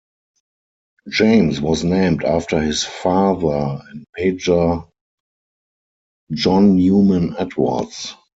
James was named after his father and Major John Newman Edwards.